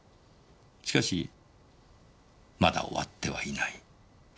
しかしまだ終わってはいない。